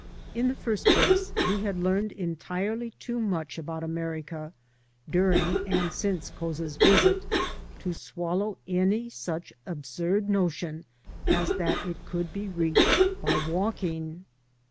In the first place, we had learned entirely too much about America during and since Couza's visit' to swallow any such absurd notion as that it could be reached by walking.